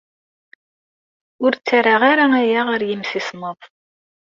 Ur ttarraɣ ara aya ɣer yimsismeḍ.